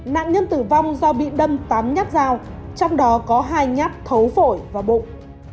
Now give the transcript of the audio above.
nạn nhân tử vong do bị đâm tám nhát dao trong đó có hai nhát thấu phổi và bụng